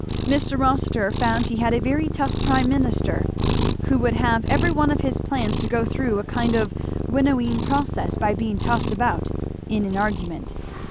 Mr. Rossitur found he had a very tough prime minister, who would have every one of his plans to go through a kind of winnowing process by being tossed about in an argument.